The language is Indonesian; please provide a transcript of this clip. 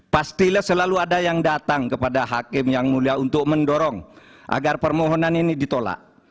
pastilah selalu ada yang datang kepada hakim yang mulia untuk mendorong agar permohonan ini ditolak